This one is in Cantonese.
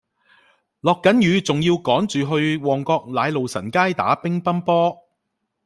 落緊雨仲要趕住去旺角奶路臣街打乒乓波